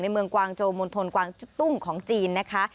เมืองกวางโจมณฑลกวางจุ้งของจีนนะคะ